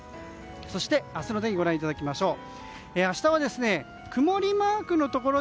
そして明日の天気ご覧いただきましょう。